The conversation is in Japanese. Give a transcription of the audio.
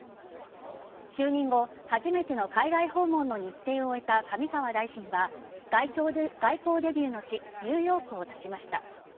就任後、初めての海外訪問の日程を終えた上川大臣は外交デビューの地ニューヨークをたちました。